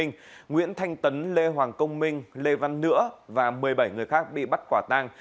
nguyễn thanh tấn lê hoàng công minh lê văn nữa và một mươi bảy người khác bị bắt quả tang